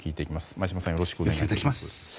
前嶋さんよろしくお願いします。